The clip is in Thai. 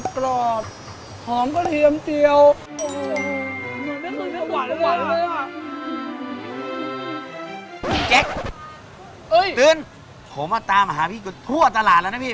จืนผมตามมาหาพี่กับทัวร์ตลาดแล้วนะพี่